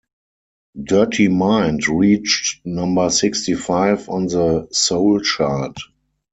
"Dirty Mind" reached number sixty-five on the soul chart.